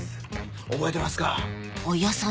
覚えてますか？